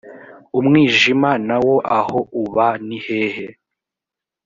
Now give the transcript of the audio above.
umwijima na wo aho uba ni hehe?